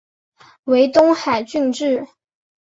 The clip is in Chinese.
为东海郡治。